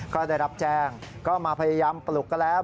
ก็ได้รับแจ้งก็มาพยายามปลุกกันแล้ว